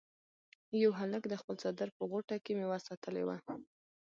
یو هلک د خپل څادر په غوټه کې میوه ساتلې وه.